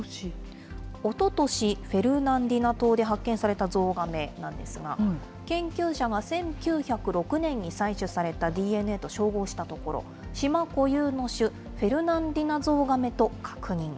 おととし、フェルナンディナ島で発見されたゾウガメなんですが、研究者が１９０６年に採取されたＤＮＡと照合したところ、島固有の種、フェルナンディナゾウガメと確認。